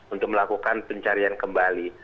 untuk melakukan pencarian kembali